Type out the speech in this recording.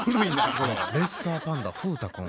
レッサーパンダ風太くん。